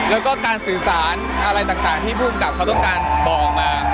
แล้วก็การสื่อสารอะไรต่างที่ผู้กำกับเขาต้องการบอกมา